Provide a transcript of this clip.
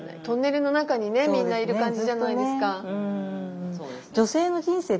トンネルの中にねみんないる感じじゃないですか。